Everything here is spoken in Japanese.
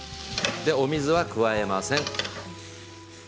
水は加えません。